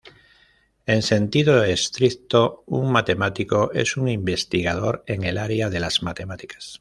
En sentido estricto, un matemático es un investigador en el área de las matemáticas.